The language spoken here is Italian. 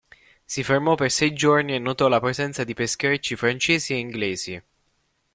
Si fermò per sei giorni e notò la presenza di pescherecci francesi e inglesi.